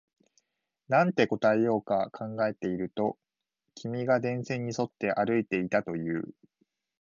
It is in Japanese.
なんて答えようか考えていると、君が電線に沿って歩いていたと言う